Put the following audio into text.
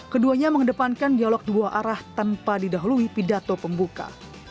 keduanya mengedepankan dialog dua arah tanpa didahului pidato pembuka